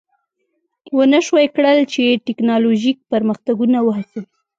ونشوای کړای چې ټکنالوژیک پرمختګونه وهڅوي